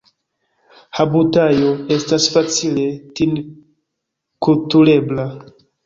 Habutajo estas facile tinkturebla.